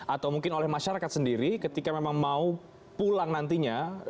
atau mungkin oleh masyarakat sendiri ketika memang mau pulang nantinya